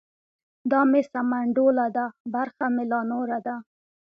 دا مې سمنډوله ده برخه مې لا نوره ده.